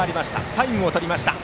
タイムをとりました。